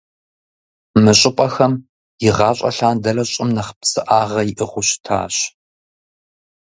Мы щӏыпӏэхэм, игъащӏэ лъандэрэ, щӏым нэхъ псыӏагъэ иӏыгъыу щытащ.